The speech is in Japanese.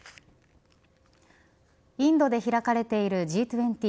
インドで開かれているＧ２０